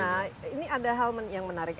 nah ini ada hal yang menarik